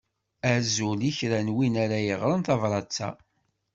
Azul i kra n win ara yeɣren tabrat-a.